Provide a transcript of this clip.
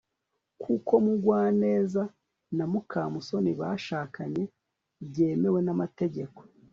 kuko mugwaneza na mukamusoni bashakanye byemewe n'amategeko